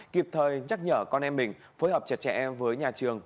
kịp thời nhắc nhở con em mình phối hợp chặt chẽ với nhà trường